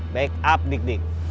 back up dik dik